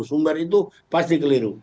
sumber itu pasti keliru